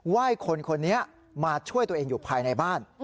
ว่ายคนคนนี้มาช่วยตัวเองอยู่ภายในบ้าน